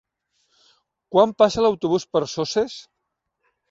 Quan passa l'autobús per Soses?